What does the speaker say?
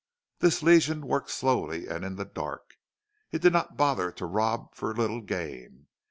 This Legion worked slowly and in the dark. It did not bother to rob for little gain.